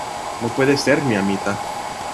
no puede ser, mi amita: